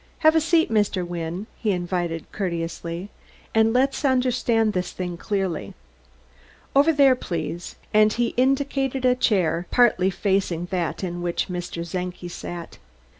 "Have a seat, Mr. Wynne," he invited courteously, "and let's understand this thing clearly. Over there, please," and he indicated a chair partly facing that in which Mr. Czenki sat.